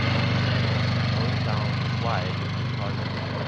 Going down the slide at the carnival.